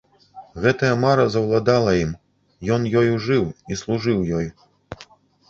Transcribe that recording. Гэтая мара заўладала ім, ён ёю жыў і служыў ёй.